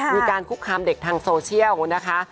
มีการคุกคามเด็กทางโซเชียลนะคะ